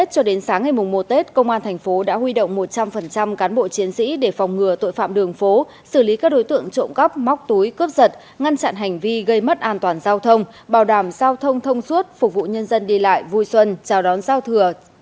công an thành phố đã huy động một trăm linh cán bộ chiến sĩ để phòng ngừa tội phạm đường phố xử lý các đối tượng trộm góc móc túi cướp giật ngăn chặn hành vi gây mất an toàn giao thông bảo đảm giao thông thông suốt phục vụ nhân dân đi lại vui xuân chào đón giao thừa